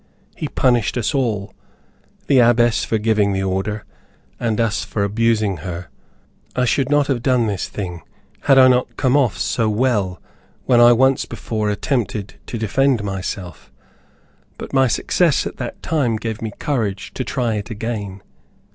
He punished us all; the Abbess for giving the order, and us for abusing her. I should not have done this thing, had I not come off so well, when I once before attempted to defend myself; but my success at that time gave me courage to try it again.